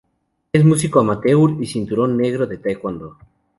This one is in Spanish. Es músico amateur y cinturón negro de taekwondo.